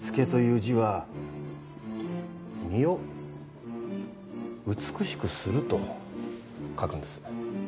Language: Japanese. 「躾」という字は「身」を「美しくする」と書くんです。